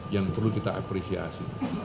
yang perlu kita apresiasi